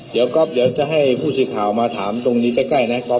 เดี๋ยวก็จะให้ผู้สิ่งขาวมาถามตรงนี้ได้ใกล้นะก๊อบ